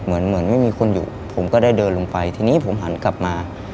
เหมือนเหมือนไม่มีคนอยู่ผมก็ได้เดินลงไปทีนี้ผมหันกลับมา